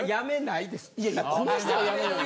いやいやこの人が辞めない。